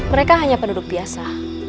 mereka hanya penduduk biasa